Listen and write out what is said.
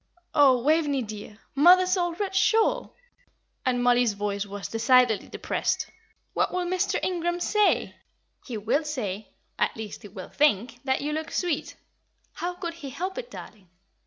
"Oh, Waveney, dear, mother's old red shawl!" and Mollie's voice was decidedly depressed. "What will Mr. Ingram say?" "He will say at least, he will think that you look sweet. How could he help it, darling?